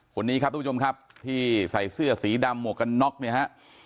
คนนี้ครับทุกผู้ชมครับที่ใส่เสื้อสีดำหมวกกันน็อกเนี่ยฮะ